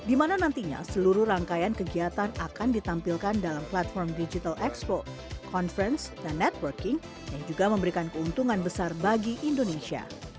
di mana nantinya seluruh rangkaian kegiatan akan ditampilkan dalam platform digital expo conference dan networking yang juga memberikan keuntungan besar bagi indonesia